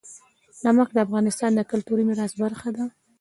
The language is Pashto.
نمک د افغانستان د کلتوري میراث برخه ده.